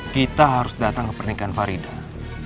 kita harus datang ke pernikahan farida